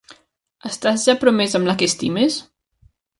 Estàs ja promès amb la que estimes?